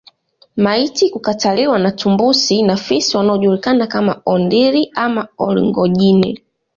Maiti kukataliwa na tumbusi na fisi wanaojulikana kama Ondili ama Olngojine